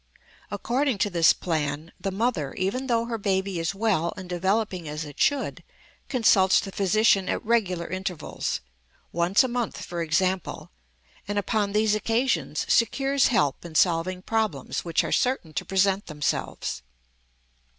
According to this plan, the mother, even though her baby is well and developing as it should, consults the physician at regular intervals, once a month for example, and upon these occasions secures help in solving problems which are certain to present themselves.